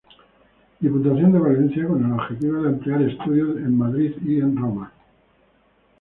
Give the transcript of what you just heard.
Diputación de Valencia, con el objetivo de ampliar estudios en Madrid y en Roma.